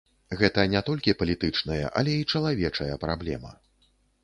Гэта не толькі палітычная, але і чалавечая праблема.